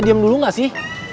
diam dulu enggak sih